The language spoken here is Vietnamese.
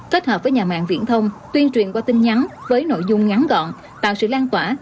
kết hợp với nhà mạng viễn thông tuyên truyền qua tin nhắn với nội dung ngắn gọn tạo sự lan tỏa